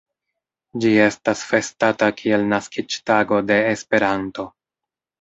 Ĝi estas festata kiel naskiĝtago de Esperanto.